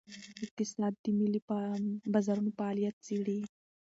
اقتصاد د مالي بازارونو فعالیت څیړي.